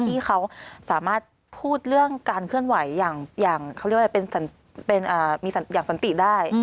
ที่เขาสามารถพูดเรื่องการเคลื่อนไหวอย่างเขาเรียกว่าเป็นอย่างสันติได้